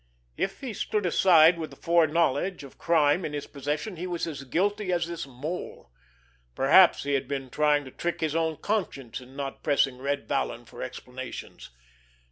If he stood aside with the foreknowledge of crime in his possession he was as guilty as this Mole.... Perhaps he had been trying to trick his own conscience in not pressing Red Vallon for explanations....